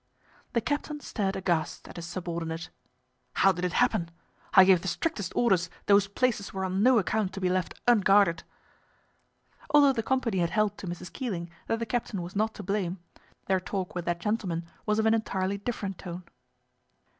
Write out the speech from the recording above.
The captain stared aghast at his subordinate. "How did it happen? I gave the strictest orders those places were on no account to be left unguarded." Although the company had held to Mrs. Keeling that the captain was not to blame, their talk with that gentleman was of an entirely different tone.